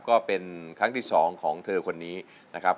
ก็เป็นครั้งที่๒ของเธอคนนี้นะครับ